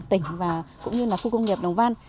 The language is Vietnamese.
tỉnh và cũng như là khu công nghiệp đồng văn